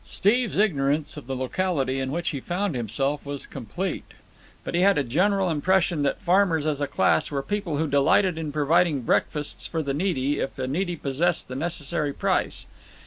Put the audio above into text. Steve's ignorance of the locality in which he found himself was complete; but he had a general impression that farmers as a class were people who delighted in providing breakfasts for the needy, if the needy possessed the necessary price.